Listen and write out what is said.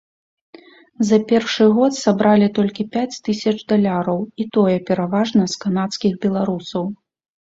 За першы год сабралі толькі пяць тысячаў даляраў, і тое пераважна з канадскіх беларусаў.